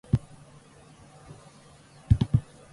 冗談でも口にしているのかと思い、まともに取り合おうとはしなかった